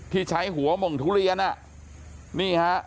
พี่ใช้หัวหมงทุเรียน